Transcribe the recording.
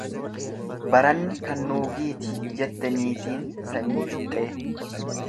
Baranni kan nuugiiti jette niitiin sanyii fixxee.